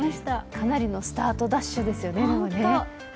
かなりのスタートダッシュですよね、本当に。